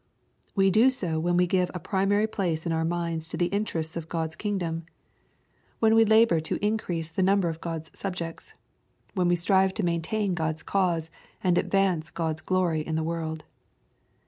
We do so when we give a primary place in our minds to the interests of God's kingdom, — when wa 80 EXPOSITORY THOUGHTS. labor to increase the number of God's subjects, — when we strive to maintain God's cause, and advance God's glory in the world.